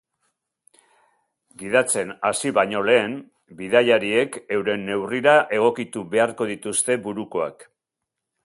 Gidatzen hasi baino lehen, bidaiariek euren neurrira egokitu beharko dituzte burukoak.